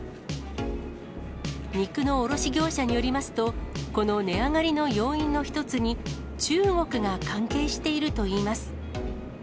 肉の卸業者によりますと、この値上がりの要因の一つに、中国が関係しているといいます。